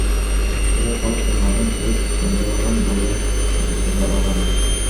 Бирок ал унаадан чыгып, канжалаган бойдон качып кете алган.